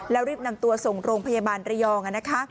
แล้วรีบนำตัวส่งโรงพยาบาลระยองนะคะ